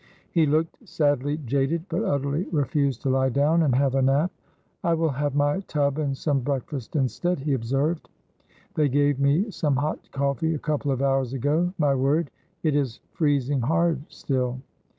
He looked sadly jaded, but utterly refused to lie down and have a nap. "I will have my tub and some breakfast instead," he observed. "They gave me some hot coffee a couple of hours ago. My word, it is freezing hard still.